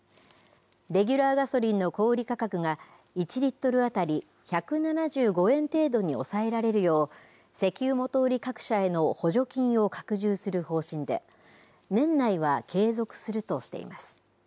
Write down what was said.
レギュラーガソリンの小売り価格が１リットル当たり１７５円程度に抑えられるよう、石油元売り各社への補助金を拡充する方針で、年内は継続するとしています。